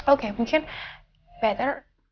oke mungkin lebih baik